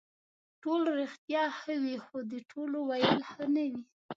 ټول رښتیا ښه وي خو د ټولو ویل ښه نه وي.